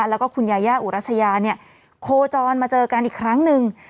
แล้วก็คุณยาย่าอุรัชยาเนี่ยโคจรมาเจอกันอีกครั้งหนึ่ง